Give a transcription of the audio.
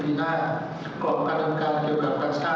ที่สิ่งนะครับคือตั้งแต่ในสายยนต์หกศูนย์